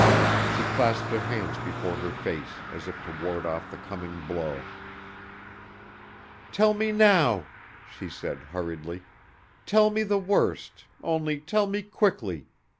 She clasped her hands before her face as if to ward off the coming blow. "Tell me now," she said hurriedly, "tell me the worst, only tell me quickly!